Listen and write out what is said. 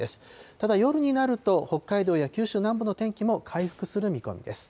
ただ夜になると、北海道や九州南部の天気も回復する見込みです。